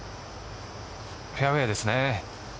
フェアウエーですね。